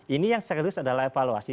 ini yang serius adalah evaluasi